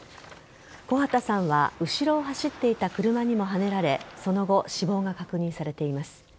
木幡さんは後ろを走っていた車にもはねられその後、死亡が確認されています。